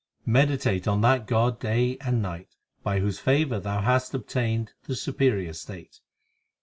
Meditate on that God day and night By whose favour thou hast obtained the superior state.